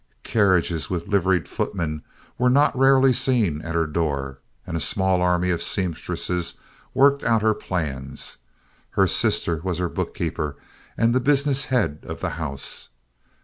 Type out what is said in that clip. Carriages with liveried footmen were not rarely seen at her door, and a small army of seamstresses worked out her plans. Her sister was her bookkeeper and the business head of the house.